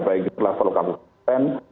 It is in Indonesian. baik itulah seluruh kabupaten